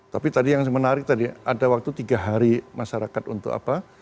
tapi tadi yang menarik tadi ada waktu tiga hari masyarakat untuk apa